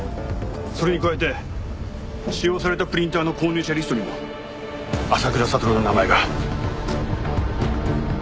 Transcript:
それに加えて使用されたプリンターの購入者リストにも浅倉悟の名前が。